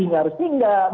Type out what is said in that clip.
ini nggak harus pindah